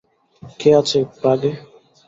কে আছে প্রাগে?